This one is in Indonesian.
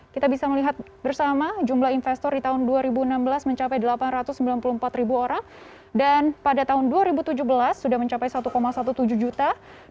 kita bisa melihat bersama jumlah investor di tahun dua ribu enam belas mencapai delapan ratus sembilan puluh empat ribu orang dan pada tahun dua ribu tujuh belas sudah mencapai satu tujuh belas juta